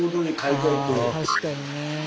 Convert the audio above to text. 確かにね。